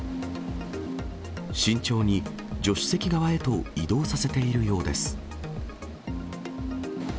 慎重に助手席側へと移動させているようです。